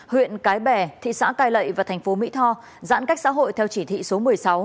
huyện cái bè thị xã cai lậy và thành phố mỹ tho giãn cách xã hội theo chỉ thị số một mươi sáu